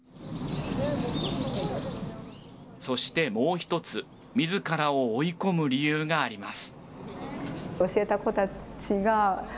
そしてもう１つみずからを追い込む理由があります。